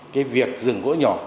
cái việc rừng gỗ nhỏ